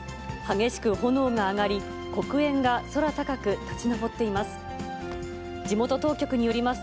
激しく炎が上がり、黒煙が空高く立ち上っています。